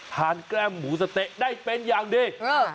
ทานแก้มหมูสะเตะได้เป็นอย่างดีค่ะอือ